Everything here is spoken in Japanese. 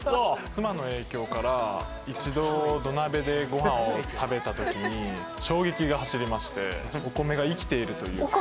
妻の影響から、一度、土鍋でごはんを食べたときに、衝撃が走りまして、お米が生きているというか。